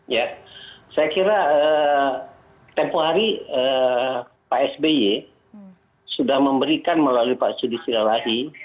ya saya kira tempoh hari pak sby sudah memberikan melalui pak sudi sirawahi